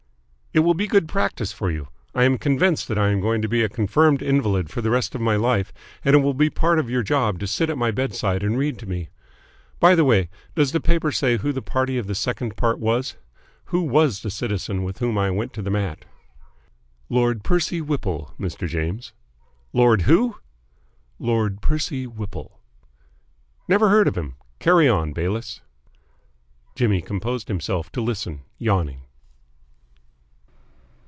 "It will be good practice for you. I am convinced I am going to be a confirmed invalid for the rest of my life, and it will be part of your job to sit at my bedside and read to me. By the way, does the paper say who the party of the second part was? Who was the citizen with whom I went to the mat?" "Lord Percy Whipple, Mr. James." "Lord who?" "Lord Percy Whipple." "Never heard of him. Carry on, Bayliss." Jimmy composed himself to listen, yawning.